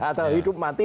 atau hidup mati